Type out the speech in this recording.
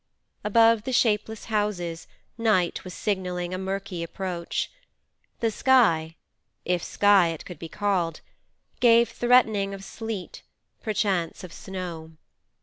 Above the shapeless houses night was signalling a murky approach; the sky—if sky it could be called—gave threatening of sleet, perchance of snow.